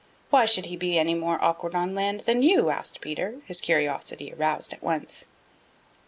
"Why should he be any more awkward on land then you?" asked Peter, his curiosity aroused at once.